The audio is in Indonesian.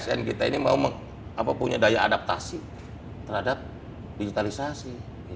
asn kita ini mau punya daya adaptasi terhadap digitalisasi